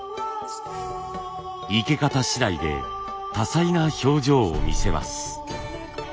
生け方しだいで多彩な表情を見せます。